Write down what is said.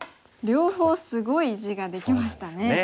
両方すごい地ができましたね。